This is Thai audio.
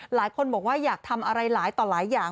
หลายคนบอกว่าอยากทำอะไรหลายต่อหลายอย่าง